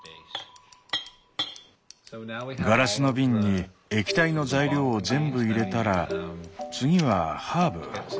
ガラスの瓶に液体の材料を全部入れたら次はハーブ。